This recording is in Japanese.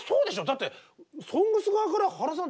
だって「ＳＯＮＧＳ」側から「原さん